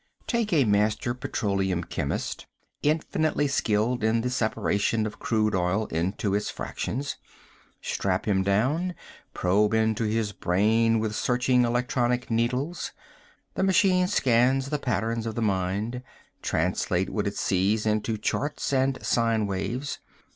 Take a master petroleum chemist, infinitely skilled in the separation of crude oil into its fractions. Strap him down, probe into his brain with searching electronic needles. The machine scans the patterns of the mind, translates what it sees into charts and sine waves.